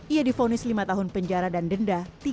ia difonis lima tahun penjara dan denda